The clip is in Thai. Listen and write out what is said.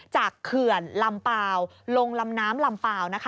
เขื่อนลำเปล่าลงลำน้ำลำเปล่านะคะ